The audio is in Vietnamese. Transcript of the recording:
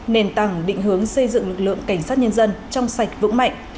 nền tảng định hướng xây dựng lực lượng cảnh sát nhân dân trong sạch vững mạnh